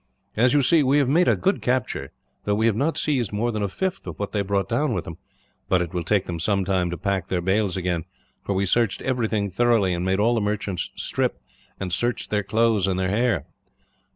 As you see, we have made a good capture, though we have not seized more than a fifth of what they brought down with them; but it will take them some time to pack their bales again, for we searched everything thoroughly, and made all the merchants strip, and searched their clothes and their hair."